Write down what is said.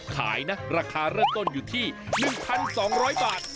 ขายราคารัดต้นอยู่ที่๑๒๐๐บาท